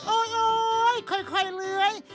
โอ๊ยค่อยเลย